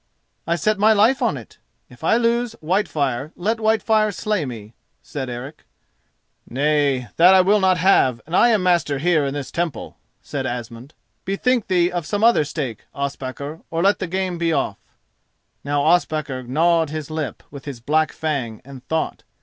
"I set my life on it; if I lose Whitefire let Whitefire slay me," said Eric. "Nay, that I will not have, and I am master here in this Temple," said Asmund. "Bethink thee of some other stake, Ospakar, or let the game be off." Now Ospakar gnawed his lip with his black fang and thought.